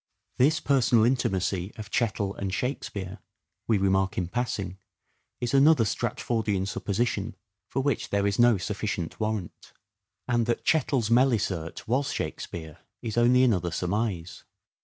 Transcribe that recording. This personal intimacy of Chettle and Shakspere, we remark in passing, is another Stratfordian supposition, for which there is no sufficient warrant ; and that Chettle's " Melicert " was Shakspere is only another surmise.